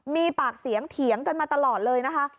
มีปากเสียงเถียงกันมาตลอดเลยนะคะ